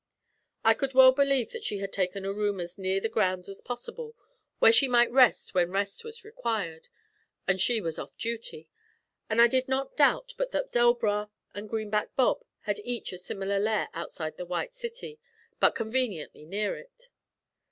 I could well believe that she had taken a room as near the grounds as possible, where she might rest when rest was required, and she was off duty, and I did not doubt but that Delbras and Greenback Bob had each a similar lair outside the White City, but conveniently near it.